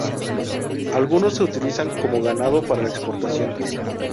Algunos se utilizan como ganado para la exportación.